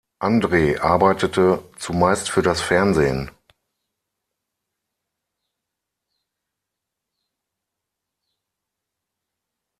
Andre arbeitete zumeist für das Fernsehen.